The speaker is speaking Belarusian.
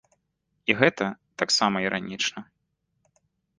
І гэта таксама іранічна.